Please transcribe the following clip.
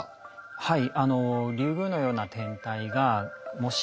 はい。